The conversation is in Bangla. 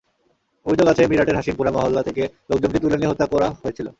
অভিযোগ আছে, মিরাটের হাশিমপুরা মহল্লা থেকে লোকজনকে তুলে নিয়ে হত্যা করা হয়েছিল।